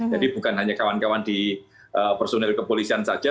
jadi bukan hanya kawan kawan di personil kepolisian saja